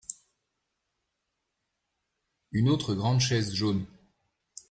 Une autre grande chaise jaune.